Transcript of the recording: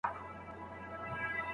که ستا د حسن د رڼا تصوير په خوب وويني